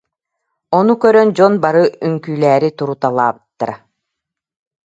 Ону көрөн дьон бары үҥкүүлээри туруталаабыттара